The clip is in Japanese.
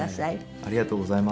ありがとうございます。